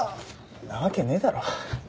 なわけねえだろ。